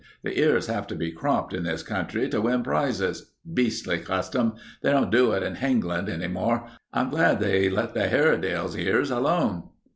The ears have to be cropped in this country to win prizes. Beastly custom. They don't do it in Hengland any more. I'm glad they let the Hairedales' ears alone."